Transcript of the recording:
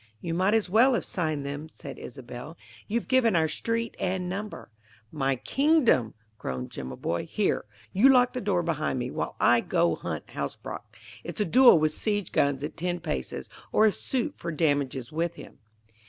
"You might as well have signed them," said Isobel. "You've given our street and number." "My kingdom!" groaned Jimaboy. "Here you lock the door behind me, while I go hunt Hasbrouck. It's a duel with siege guns at ten paces, or a suit for damages with him."